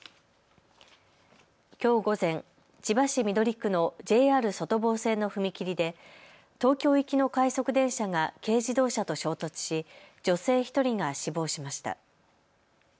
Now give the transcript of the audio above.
きょう午前、千葉市緑区のＪＲ外房線の踏切で東京行きの快速電車が軽自動車と衝突し女性１人が死亡しました。